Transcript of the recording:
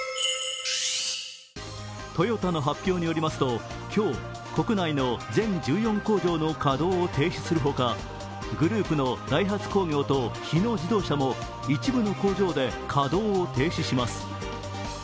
トヨタの発表によりますと今日、国内の１４工場の稼働を停止する他、日野自動車も一部の工場で稼働を停止します。